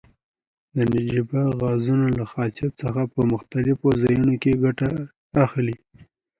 د نجیبه غازونو له خاصیت څخه په مختلفو ځایو کې ګټه اخلي.